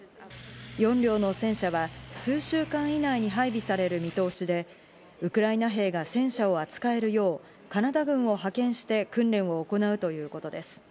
４両の戦車は数週間以内に配備される見通しで、ウクライナ兵が戦車を扱えるようカナダ軍を派遣して、訓練を行うということです。